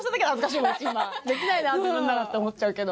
できないな自分ならって思っちゃうけど。